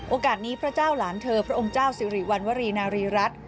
โอกาสนี้พระเจ้าหลานเธอพระองค์เจ้าสิริวัณวรีนารีรัฐ